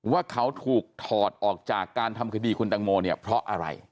ว่าเขาถูกถอดออกจากการทำคดีคุณตังโมเนี่ยเพราะอะไร